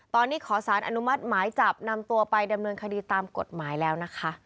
ตอนนี้ขอสารอนุมัติหมายจับนำตัวไปดำเนินคดีตามกฎหมายแล้วนะคะ